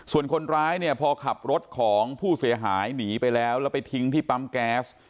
ส่วนคนร้ายเนี่ยพอขับรถของผู้เสียหายหนีไปแล้วแล้วไปทิ้งที่ปั๊มแก๊ส